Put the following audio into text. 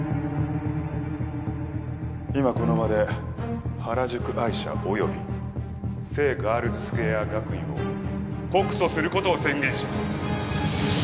今この場で『原宿アイ』社及び聖ガールズスクエア学院を告訴することを宣言します。